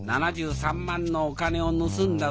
７３万のお金を盗んだ